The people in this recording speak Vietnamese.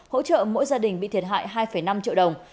hỗ trợ mỗi gia đình bị thiệt hại hai năm triệu đồng